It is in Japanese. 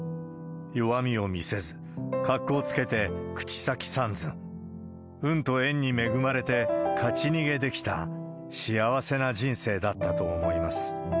弱みを見せず、格好つけて口先三寸、運と縁に恵まれて、勝ち逃げできた幸せな人生だったと思います。